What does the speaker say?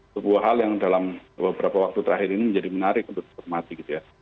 sebuah hal yang dalam beberapa waktu terakhir ini menjadi menarik untuk dicermati gitu ya